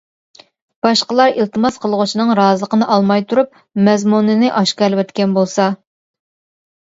باشقىلار ئىلتىماس قىلغۇچىنىڭ رازىلىقىنى ئالماي تۇرۇپ مەزمۇنىنى ئاشكارىلىۋەتكەن بولسا.